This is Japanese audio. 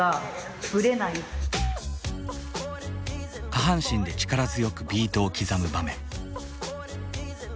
下半身で力強くビートを刻む場面。